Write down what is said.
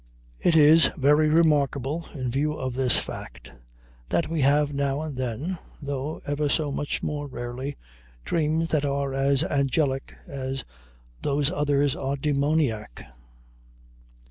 It is very remarkable, in view of this fact, that we have now and then, though ever so much more rarely, dreams that are as angelic as those others are demoniac.